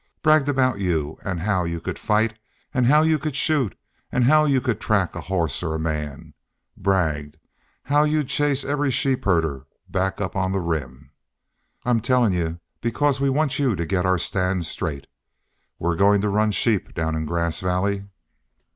Bragged aboot you an' how you could fight an' how you could shoot an' how you could track a hoss or a man! Bragged how you'd chase every sheep herder back up on the Rim.... I'm tellin' you because we want you to git our stand right. We're goin' to run sheep down in Grass Valley."